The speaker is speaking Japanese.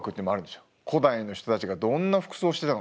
古代の人たちがどんな服装してたのかなと。